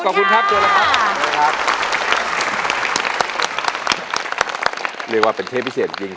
เรียกว่าเป็นเทปพิเศษจริง